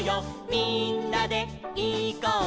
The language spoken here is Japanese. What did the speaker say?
みんなでいこうよ」